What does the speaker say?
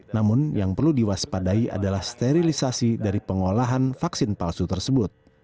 namun yang perlu diwaspadai adalah sterilisasi dari pengolahan vaksin palsu tersebut